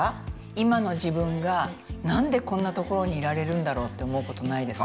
今の自分が何でこんな所にいられるんだろうって思うことないですか？